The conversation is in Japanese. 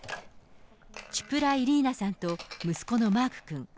チュプラ・イリーナさんと息子のマーク君。